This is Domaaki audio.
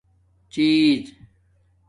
چِیز